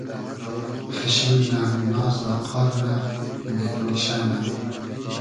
خیشیم نۂ ، ناز نۂ، قار نۂ ، بېگنیشۂ نۂ